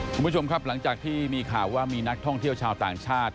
คุณผู้ชมครับหลังจากที่มีข่าวว่ามีนักท่องเที่ยวชาวต่างชาติ